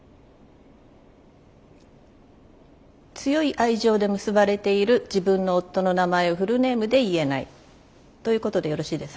強い愛情で結ばれている自分の夫の名前をフルネームで言えないということでよろしいですね？